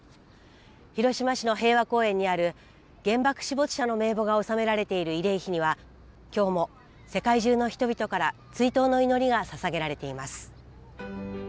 広島市の平和公園にある原爆死没者の名簿が収められている慰霊碑には今日も世界中の人々から追悼の祈りがささげられています。